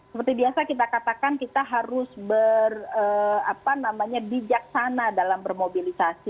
seperti biasa kita katakan kita harus ber apa namanya bijaksana dalam bermobilisasi